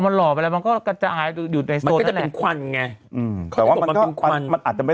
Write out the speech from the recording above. นะครับ